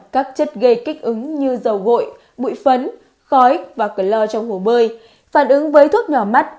các chất gây kích ứng như dầu gội bụi phấn khói và clor trong hồ bơi phản ứng với thuốc nhỏ mắt